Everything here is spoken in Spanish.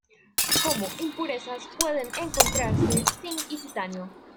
Como impurezas pueden encontrarse zinc y titanio.